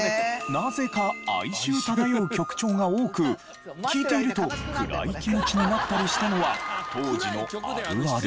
なぜか哀愁漂う曲調が多く聞いていると暗い気持ちになったりしたのは当時のあるある。